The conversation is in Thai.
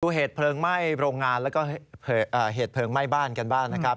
เหตุเพลิงไหม้โรงงานแล้วก็เหตุเพลิงไหม้บ้านกันบ้างนะครับ